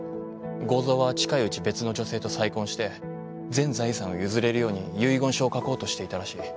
剛蔵は近いうち別の女性と再婚して全財産を譲れるように遺言書を書こうとしていたらしい。